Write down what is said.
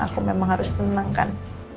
aku memang harus tenang kan